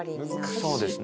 そうですね。